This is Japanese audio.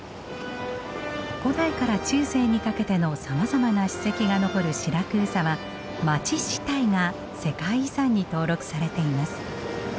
古代から中世にかけてのさまざまな史跡が残るシラクーサは街自体が世界遺産に登録されています。